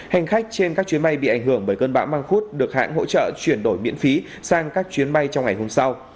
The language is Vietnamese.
hành khách trên các chuyến bay bị ảnh hưởng bởi cơn bão măng khuốt được hãng hỗ trợ chuyển đổi miễn phí sang các chuyến bay trong ngày hôm sau